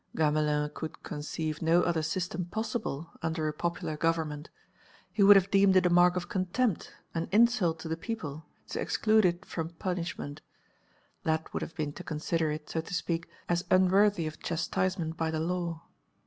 Gamelin could conceive no other system possible under a popular government. He would have deemed it a mark of contempt, an insult to the people, to exclude it from punishment. That would have been to consider it, so to speak, as unworthy of chastisement by the law.